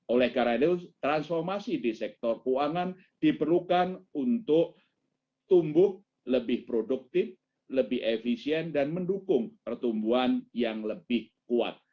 oleh karena itu transformasi di sektor keuangan diperlukan untuk tumbuh lebih produktif lebih efisien dan mendukung pertumbuhan yang lebih kuat